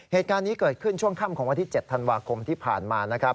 เหตุการณ์นี้เกิดขึ้นช่วงค่ำของวันที่๗ธันวาคมที่ผ่านมานะครับ